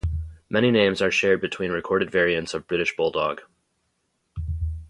Many names are shared between recorded variants of British bulldog.